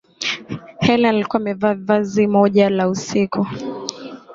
helen alikuwa amevaa vazi moja la usiku